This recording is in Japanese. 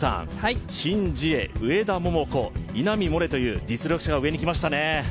シン・ジエ、上田桃子、稲見萌寧という実力者が上に来ましたね。